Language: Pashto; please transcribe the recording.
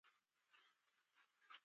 ګلاب د هر جشن ښکلا ده.